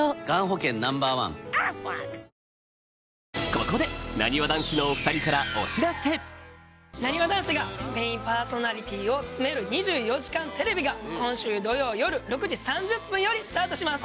ここでなにわ男子がメインパーソナリティーを務める『２４時間テレビ』が今週土曜夜６時３０分よりスタートします！